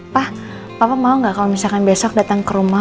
pa papa mau gak kalo misalkan besok dateng ke rumah